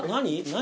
何？